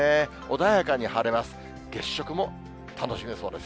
穏やかに晴れます。